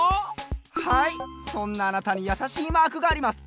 はいそんなあなたにやさしいマークがあります。